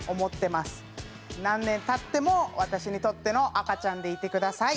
何年経っても私にとっての赤ちゃんでいてください。